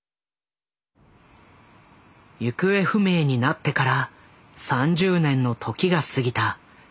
行方不明になってから３０年の時が過ぎた２００３年。